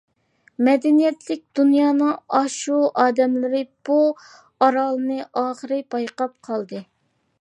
مەدەنىيەتلىك دۇنيانىڭ ئاشۇ ئادەملىرى بۇ ئارالنى ئاخىر بايقاپ قالدى.